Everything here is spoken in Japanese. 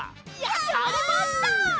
やりました！